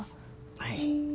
はい。